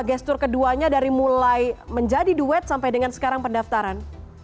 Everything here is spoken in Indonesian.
gestur keduanya dari mulai menjadi duet sampai dengan sekarang pendaftaran